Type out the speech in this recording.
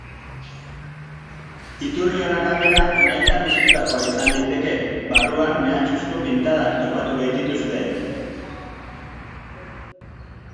Iturrion arabera, nahita piztutakoa izan daiteke, barruan mehatxuzko pintadak topatu baitituzte.